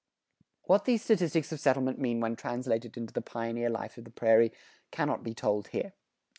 What these statistics of settlement mean when translated into the pioneer life of the prairie, cannot be told here.